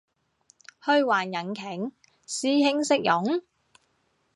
虛幻引擎？師兄識用？